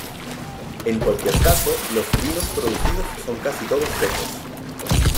En cualquier caso, los vinos producidos son casi todos secos.